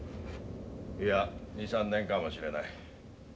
いや２３年かもしれない。